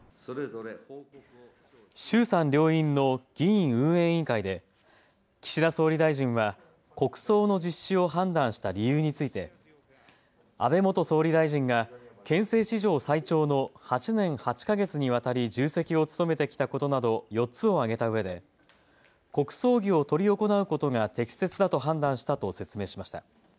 衆参両院の議院運営委員会で岸田総理大臣は国葬の実施を判断した理由について安倍元総理大臣が憲政史上最長の８年８か月にわたり重責を務めてきたことなど４つを挙げたうえで国葬儀を執り行うことが適切だと判断したと説明しました。